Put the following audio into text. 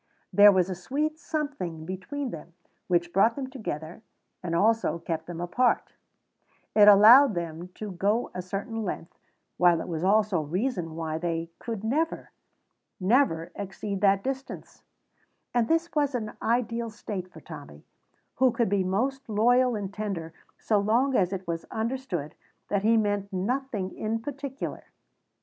There was a sweet something between them which brought them together and also kept them apart; it allowed them to go a certain length, while it was also a reason why they could never, never exceed that distance; and this was an ideal state for Tommy, who could be most loyal and tender so long as it was understood that he meant nothing in particular.